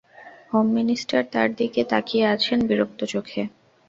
Home minister তাঁর দিকে তাকিয়ে আছেন বিরক্ত চোখে।